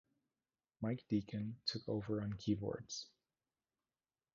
Mike Deacon took over on keyboards.